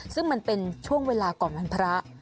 ซึ่งมันเป็นช่วงเวลาก่อนวันพระ